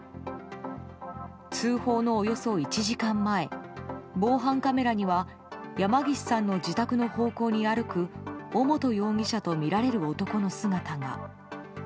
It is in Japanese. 通報のおよそ１時間前防犯カメラには山岸さんの自宅の方向に歩く尾本容疑者とみられる男の姿が。